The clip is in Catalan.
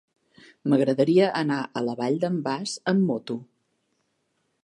M'agradaria anar a la Vall d'en Bas amb moto.